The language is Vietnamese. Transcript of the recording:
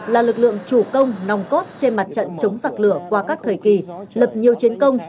là lực lượng chủ công nòng cốt trên mặt trận chống giặc lửa qua các thời kỳ lập nhiều chiến công